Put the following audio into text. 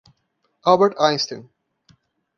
Albert Einstein.